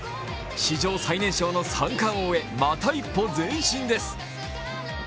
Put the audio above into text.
史上最年少の三冠王へまた一歩前進です。